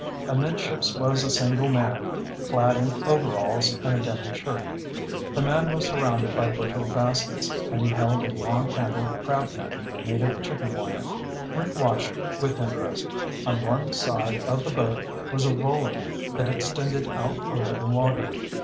Amidships was a single man, clad in overalls and a denim shirt. The man was surrounded by bushel baskets, and he held a long handled crab net made of chicken wire. Rick watched with interest. On one side of the boat was a roller that extended out over the water.